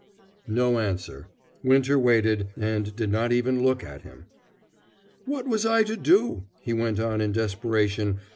No answer. Winter waited, and did not even look at him. "What was I to do?" he went on in desperation.